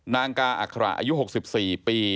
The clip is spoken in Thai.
นางกาอัคระอายุ๖๔ปี